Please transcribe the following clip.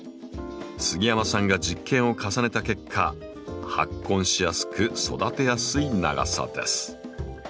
杉山さんが実験を重ねた結果発根しやすく育てやすい長さです。